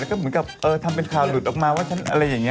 แล้วก็เหมือนกับทำเป็นข่าวหลุดออกมาว่าฉันอะไรอย่างนี้